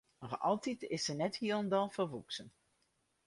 Noch altyd is se net hielendal folwoeksen.